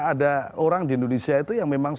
ada orang di indonesia itu yang memang